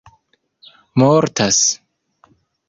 mortas